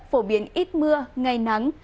phổ biến ít mưa ngày nắng